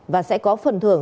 và sẽ có phần thưởng